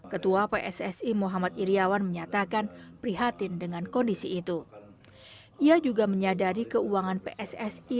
ketua pssi muhammad iryawan menyatakan prihatin dengan kondisi itu ia juga menyadari keuangan pssi